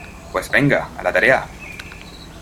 pues venga, a la tarea.